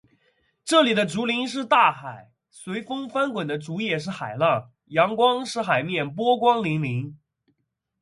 这里的竹林是大海，随风翻滚的竹叶是海浪，阳光使“海面”波光粼粼。